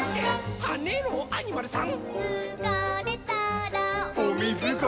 はねろアニマルさん！」